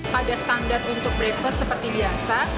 pada standar untuk breakfat seperti biasa